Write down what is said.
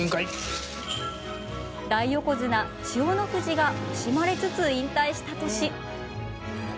大横綱、千代の富士が惜しまれつつ引退した年。